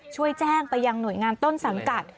ช่วยแจ้งไปยังหน่วยงานต้นสังกัด